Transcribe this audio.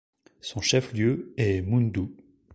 Son chef-lieu est Moundou.